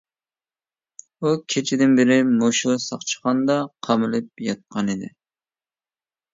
ئۇ كېچىدىن بېرى مۇشۇ ساقچىخانىدا قامىلىپ ياتقانىدى.